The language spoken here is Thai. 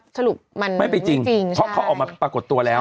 สรุปมันไม่จริงใช่ไม่เป็นจริงเพราะเขาออกมาปรากฏตัวแล้ว